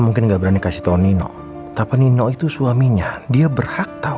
mendinga berani kasih tonino tak came oke itu suaminya jebrak tahu